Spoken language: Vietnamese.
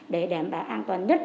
để đảm bảo an toàn nhất